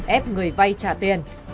ép người vay trả tiền